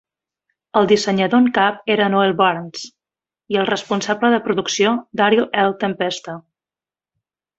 El dissenyador en cap era Noel Barnes i el responsable de producció, Daryl L Tempesta.